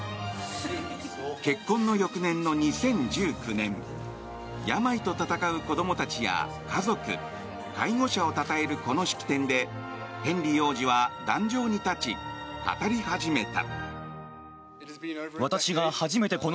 結婚の翌年の２０１９年病と闘う子供たちや家族介護者をたたえる、この式典でヘンリー王子は壇上に立ち語り始めた。